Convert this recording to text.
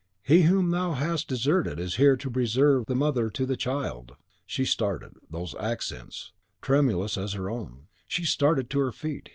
He whom thou hast deserted is here to preserve the mother to the child!" She started! those accents, tremulous as her own! She started to her feet!